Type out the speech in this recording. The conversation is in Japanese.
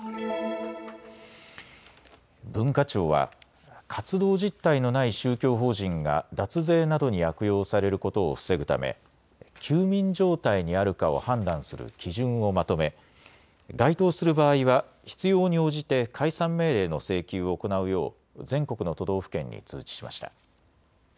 文化庁は活動実態のない宗教法人が脱税などに悪用されることを防ぐため休眠状態にあるかを判断する基準をまとめ該当する場合は必要に応じて解散命令の請求を行うよう全国の都道府県に通知しました。